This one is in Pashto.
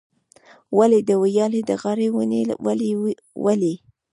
ولي، د ویالې د غاړې ونې ولې ولي؟